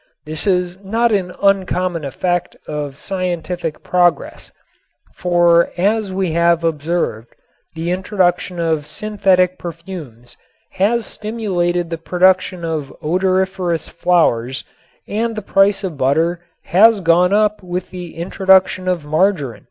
This is not an uncommon effect of scientific progress, for as we have observed, the introduction of synthetic perfumes has stimulated the production of odoriferous flowers and the price of butter has gone up with the introduction of margarin.